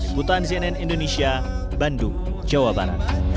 ibu tahan cnn indonesia bandung jawa barat